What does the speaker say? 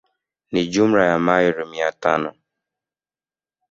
Ni jumla ya maili mia tano